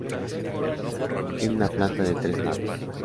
Tiene una planta de tres naves.